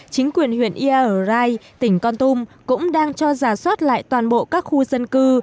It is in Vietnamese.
chính quyền huyện iai tỉnh con tum cũng đang cho giả soát lại toàn bộ các khu dân cư